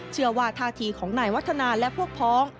เชื่อว่าทธิของนายวัฒนาและพวกพ้อง